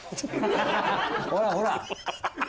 ほらほら。